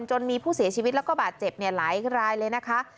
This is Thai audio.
จนมีผู้เสียชีวิตแล้วก็บาดเจ็บหลายรายเลยนะคะ